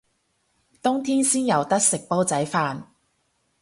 冬天先有得食煲仔飯